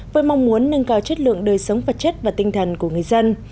với mong muốn nâng cao chất lượng đời sống vật chất và tinh thần của người dân